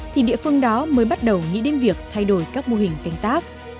thì địa phương đó mới bắt đầu nghĩ đến việc thay đổi các mô hình canh tác